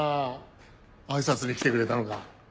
あいさつに来てくれたのか？